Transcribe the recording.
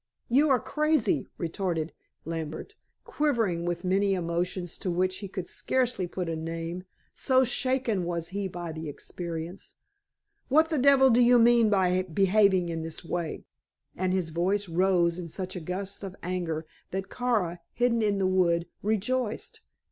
"You are crazy," retorted Lambert, quivering with many emotions to which he could scarcely put a name, so shaken was he by the experience. "What the devil do you mean by behaving in this way?" and his voice rose in such a gust of anger that Kara, hidden in the wood, rejoiced.